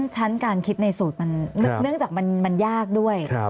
ชั้นการคิดในสูตรมันเนื่องจากมันยากด้วย